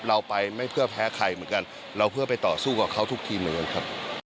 เราไปไม่เพื่อแพ้ใครเหมือนกันเราเพื่อไปต่อสู้กับเขาทุกทีมเหมือนกันครับ